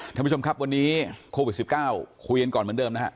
ท่านผู้ชมครับวันนี้โควิด๑๙คุยกันก่อนเหมือนเดิมนะฮะ